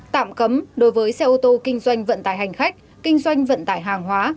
tạm cấm đối với xe ô tô kinh doanh vận tải hành khách kinh doanh vận tải hàng hóa